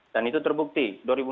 dan itu terbukti